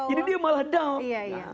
ini dia malah down